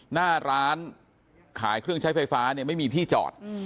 หน้าร้านขายเครื่องใช้ไฟฟ้าเนี่ยไม่มีที่จอด